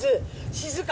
静か。